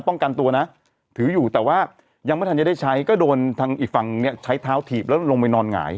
ป้องกันตัวนะถืออยู่แต่ว่ายังไม่ทันจะได้ใช้ก็โดนทางอีกฝั่งเนี่ยใช้เท้าถีบแล้วลงไปนอนหงาย